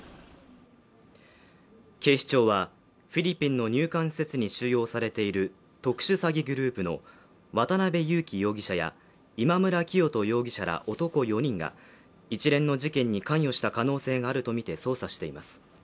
警視庁はフィリピンの入管施設に収容されている特殊詐欺グループの渡辺優樹容疑者や今村清人容疑者ら男４人が一連の事件に関与した可能性があるとみて捜査しています